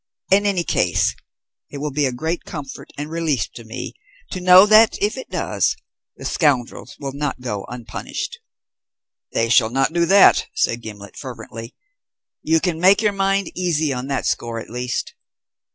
In any case it will be a great comfort and relief to me to know that, if it does, the scoundrels will not go unpunished." "They shall not do that," said Gimblet fervently. "You can make your mind easy on that score, at least.